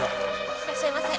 いらっしゃいませ。